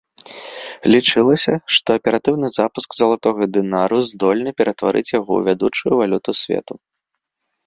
Лічылася, што аператыўны запуск залатога дынара здольны ператварыць яго ў вядучую валюту свету.